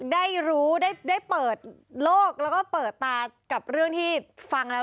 ได้รู้ได้เปิดโลกแล้วก็เปิดตากับเรื่องที่ฟังแล้ว